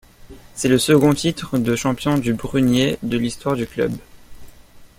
C'est le second titre de champion du Brunei de l'histoire du club.